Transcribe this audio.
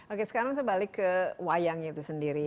oke sekarang saya balik ke wayangnya itu sendiri